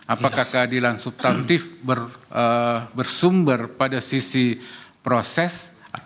apakah keadilan subtantif bersumber pada sisi proses